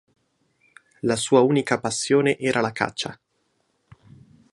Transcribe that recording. La sua unica passione era la caccia.